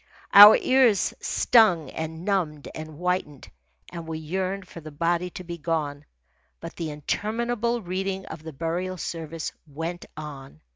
Our ears stung and numbed and whitened, and we yearned for the body to be gone. But the interminable reading of the burial service went on.